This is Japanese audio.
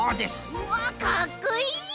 わかっこいい！